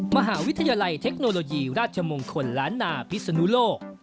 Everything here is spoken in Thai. มหาวิทยาลัยเทคโนโลยีราชมงคลล้านนาพิศนุโลก